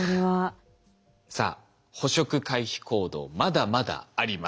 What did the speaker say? さあ捕食回避行動まだまだあります。